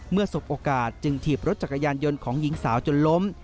สบโอกาสจึงถีบรถจักรยานยนต์ของหญิงสาวจนล้ม